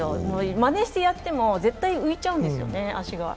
まねしてやっても、絶対足が浮いちゃうんですよね。